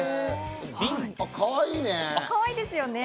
かわいいね。